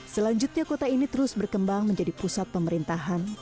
selanjutnya kota ini terus berkembang menjadi pusat pemerintahan